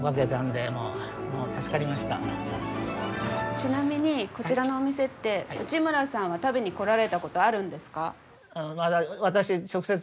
ちなみにこちらのお店って内村さんは食べに来られたことあるんですか？